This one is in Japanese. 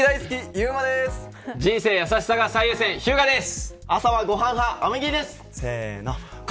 人生優しさが最優先ひゅうがです。